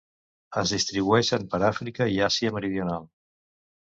Es distribueixen per Àfrica i Àsia Meridional.